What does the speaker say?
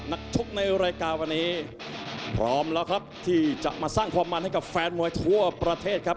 ชกในรายการวันนี้พร้อมแล้วครับที่จะมาสร้างความมันให้กับแฟนมวยทั่วประเทศครับ